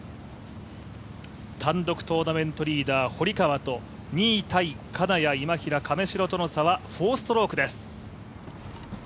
単独トーナメントリーダー、堀川と２位タイ、金谷、今平、亀代との差は４ストロークです。